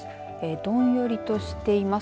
どんよりとしています。